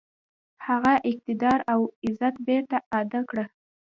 هغه اقتدار او عزت بیرته اعاده کړي.